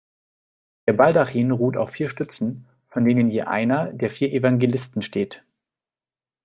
Der Baldachin ruht auf vier Stützen, vor denen je einer der vier Evangelisten steht.